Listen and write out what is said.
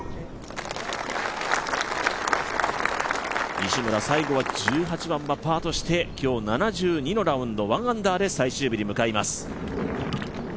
西村、最後は１８番はパーとして今日、７２のラウンド１アンダーで最終日に向かいます。